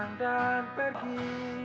hanya kata ordei ai dia